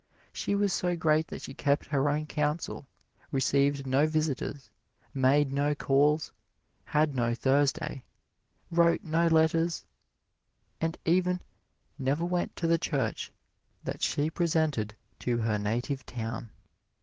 She was so great that she kept her own counsel, received no visitors, made no calls, had no Thursday, wrote no letters, and even never went to the church that she presented to her native town.